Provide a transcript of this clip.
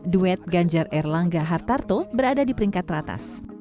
duet ganjar erlangga hartarto berada di peringkat teratas